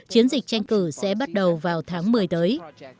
chiến dịch tranh cử sẽ bắt đầu vào tháng một mươi tới